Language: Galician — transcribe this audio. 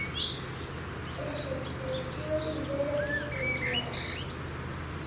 ¡Esa expresión debe retirala!